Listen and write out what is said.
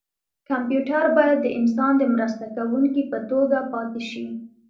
کمپیوټر باید د انسان د مرسته کوونکي په توګه پاتې شي.